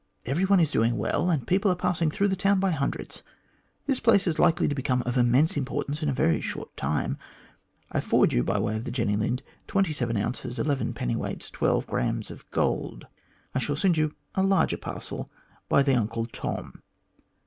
Every one is doing well, and people are passing through the town by hundreds. This place is likely to become of immense importance in a very short time. I forward you by the Jenny Lind twenty seven ozs. eleven dwts. twelve grs. gold. I shall send you a larger parcel by the Uncle Tom.